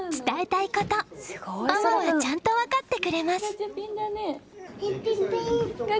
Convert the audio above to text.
伝えたいこと、ママはちゃんと分かってくれます。